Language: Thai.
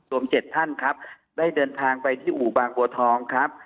รวม๗ท่านครับได้เดินทางไปที่อู่บางบัวทองครับ